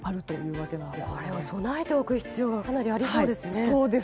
これは備えておく必要がかなりありそうですね。